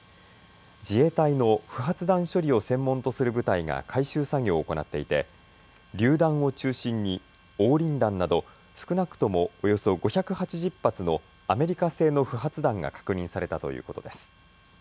自衛隊の不発弾処理を専門とする部隊が回収作業を行っていてりゅう弾を中心に黄リン弾など少なくともおよそ５８０発のアメリカ製の不発弾が確認されたということです。